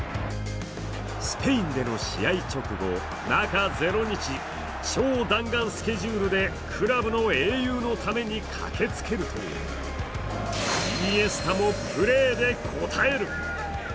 スペインでの試合直後、中０日、超弾丸スケジュールで、クラブの盟友のために駆けつけるとイニエスタもプレーで応える。